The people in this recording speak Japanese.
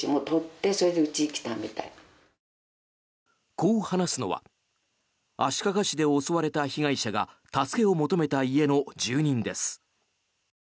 こう話すのは足利市で襲われた被害者が助けを求めた家の住人です。